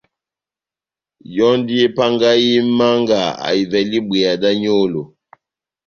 Yɔndi epangahi Manga ahivɛle ibweya da nyolo